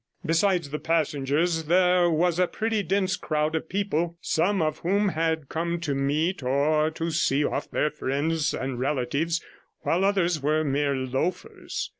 Besides the passengers, there was a pretty dense crowd of people, some of whom had come to meet or to see off their friends and relatives, while others were mere loafers.